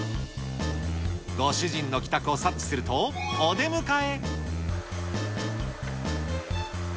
ご主人の帰宅を察知すると、お出迎え。